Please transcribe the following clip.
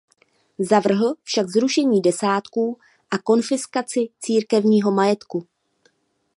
Zavrhl však zrušení desátků a konfiskaci církevního majetku.